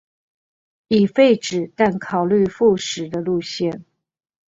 已廢止但考慮復駛的路線